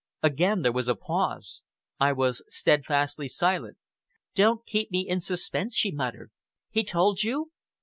Again there was a pause. I was steadfastly silent. "Don't keep me in suspense," she muttered. "He told you?"